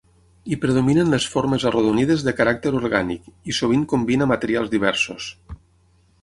Hi predominen les formes arrodonides de caràcter orgànic, i sovint combina materials diversos.